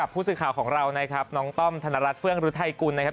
ผู้สื่อข่าวของเรานะครับน้องต้อมธนรัฐเฟื่องฤทัยกุลนะครับ